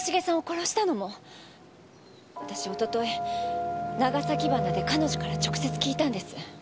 私一昨日長崎鼻で彼女から直接聞いたんです。